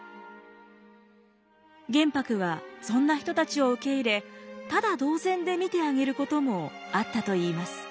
玄白はそんな人たちを受け入れタダ同然で診てあげることもあったといいます。